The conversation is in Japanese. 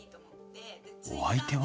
お相手は。